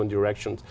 dễ dàng hơn